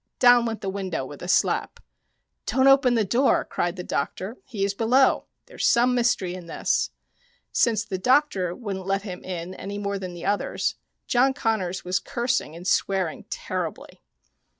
Down went the window with a slap. " Don't open the door I " cried the doctor. " He is below ; there is some mystery in this." Since the doctor wouldn't let him in any more than the others, John Connors was cursing and swearing terribly.